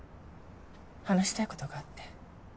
話したいことがあって。